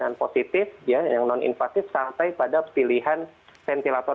yang positif yang non invasif sampai pada pilihan ventilator